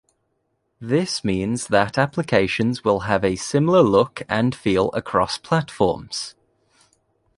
This means that applications will have a similar look and feel across platforms.